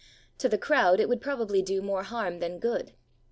To the crowd it would probably do more harm than good.